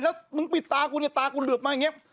แล้วมึงปิดตากูเนี่ยตากูเหลือบมาอย่างนี้